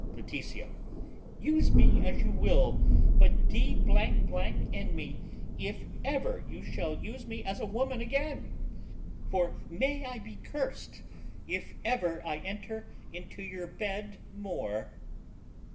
Laetitia. Use me as you will; but d n me if ever you shall use me as a woman again; for may I be cursed if ever I enter into your bed more.